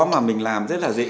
mà mình làm rất là dễ